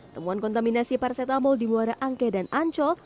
temuan kontaminasi parasetamol di muara angke dan ancol